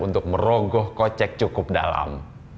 untuk merogoh kocek cukup dalam